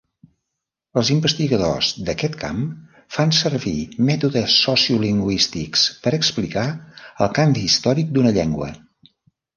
Els investigadors d'aquest camp fan servir mètodes sociolingüístics per explicar el canvi històric d'una llengua.